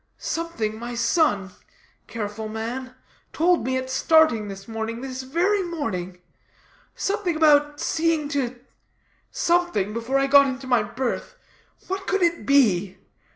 Something, my son careful man told me at starting this morning, this very morning. Something about seeing to something before I got into my berth. What could it be?